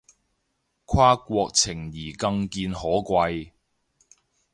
跨國情誼更見可貴